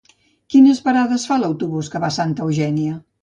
Quines parades fa l'autobús que va a Santa Eugènia?